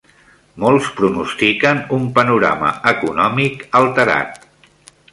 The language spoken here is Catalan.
Molts pronostiquen un panorama econòmic alterat.